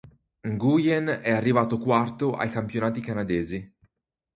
Nguyen è arrivato quarto ai campionati canadesi.